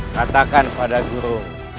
katakan pada guru